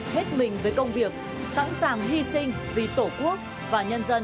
hết mình với công việc sẵn sàng hy sinh vì tổ quốc và nhân dân